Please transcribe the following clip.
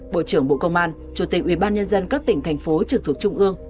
bộ trưởng bộ công an chủ tịch ubnd các tỉnh thành phố trực thuộc trung ương